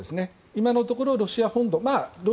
今のところ、ロシア本土